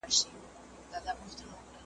بغدادي قاعده په څنګ کي توری ورک د الف لام دی .